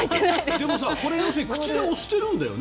でも口で押してるんだよね。